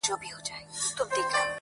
ما مي په اورغوي کي د فال نښي وژلي دي-